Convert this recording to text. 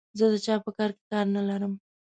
زه د چا په کار کې کار نه لرم.